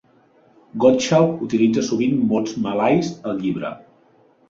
Godshalk utilitza sovint mots malais al llibre.